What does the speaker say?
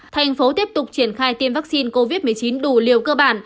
thành phố tiếp tục triển khai tiêm vaccine covid một mươi chín đủ liều cơ bản